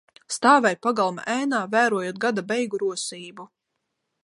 Stāvēju pagalma ēnā, vērojot gada beigu rosību.